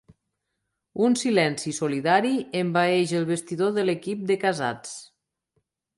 Un silenci solidari envaeix el vestidor de l'equip de Casats.